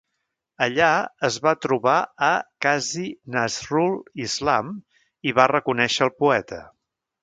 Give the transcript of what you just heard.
Allà es va trobar a Kazi Nazrul Islam i va reconèixer el poeta.